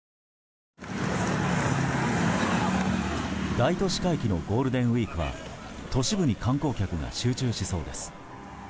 大都市回帰のゴールデンウィークは都市部に観光客が集中しそうです。